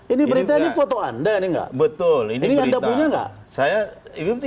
ini berita ini foto anda ini enggak